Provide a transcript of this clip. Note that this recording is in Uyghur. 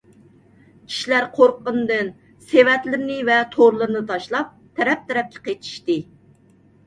كىشىلەر قورققىنىدىن سېۋەتلىرىنى ۋە تورلىرىنى تاشلاپ تەرەپ - تەرەپكە قېچىشتى.